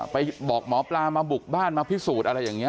ไปบอกหมอปลามาบุกบ้านมาพิสูจน์อะไรอย่างนี้